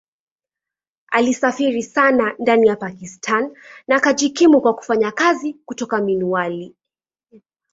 Alisafiri sana ndani ya Pakistan na akajikimu kwa kufanya kazi kutoka Mianwali.